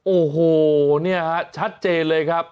โอ้โหเนี่ยฮะชัดเจนเลยครับ